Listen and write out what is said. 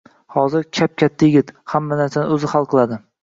Hozir – kap-katta yigit, hamma narsani oʻzi hal qiladi.